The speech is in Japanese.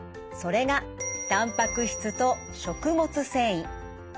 それがたんぱく質と食物繊維。